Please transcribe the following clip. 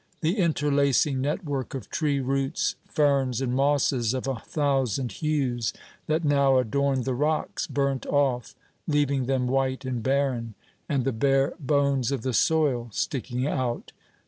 The interlacing network of tree roots, ferns, and mosses of a thousand hues, that now adorned the rocks, burnt off, leaving them white and barren, and the bare bones of the soil sticking out.